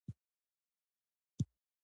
د فابریکو د محصولاتو لپاره کارتنونه ډیزاینوي.